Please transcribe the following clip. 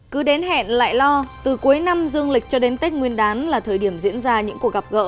cứ đến hẹn lại lo từ cuối năm dương lịch cho đến tết nguyên đán là thời điểm diễn ra những cuộc gặp gỡ